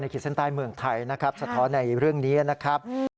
ในคิดเส้นใต้เมืองไทยสะท้อนในเรื่องนี้นะครับ